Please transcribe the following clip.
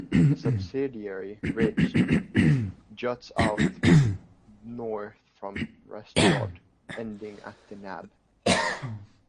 A subsidiary ridge juts out north from Rest Dodd, ending at The Nab.